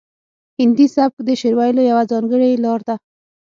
هندي سبک د شعر ویلو یوه ځانګړې لار ده